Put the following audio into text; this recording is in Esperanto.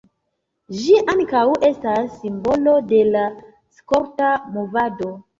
Ĝi ankaŭ estas simbolo de la skolta movado.